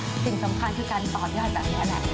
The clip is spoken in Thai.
สิ่งสำคัญคือการต่อพี่อาจารย์กันแหละ